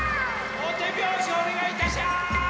おてびょうしおねがいいたしやす！